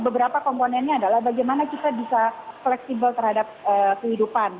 beberapa komponennya adalah bagaimana kita bisa fleksibel terhadap kehidupan